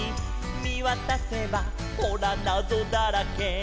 「みわたせばほらなぞだらけ」